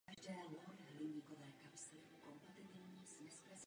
Nyní v ní sídlí místní vlastivědné muzeum.